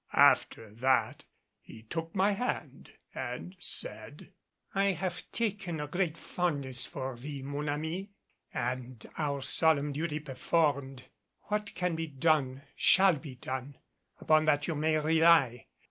After that he took my hand and said, "I have taken a great fondness for thee, mon ami; and our solemn duty performed, what can be done shall be done, upon that you may rely.